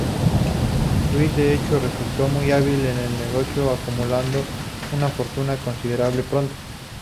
Luis de hecho resultó muy hábil en los negocios, acumulando una fortuna considerable pronto.